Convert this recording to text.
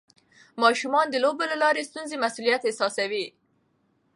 ماشومان د لوبو له لارې ټولنیز مسؤلیت احساسوي.